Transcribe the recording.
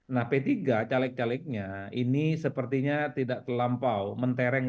nah p tiga caleg calegnya ini sepertinya tidak terlampau mentereng